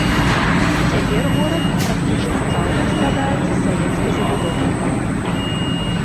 Цяпер горад практычна цалкам складаецца з савецкай забудовы.